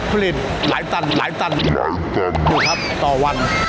ผลิตหลายตันต่อวัน